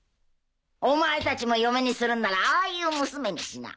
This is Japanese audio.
お前たちも嫁にするんならああいう娘にしな。